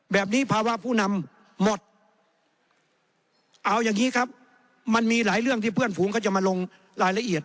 ภาวะผู้นำหมดเอาอย่างนี้ครับมันมีหลายเรื่องที่เพื่อนฝูงเขาจะมาลงรายละเอียด